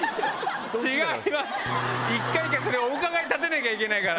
一回一回お伺い立てなきゃいけないから。